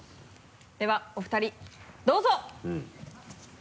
ではお二人どうぞ！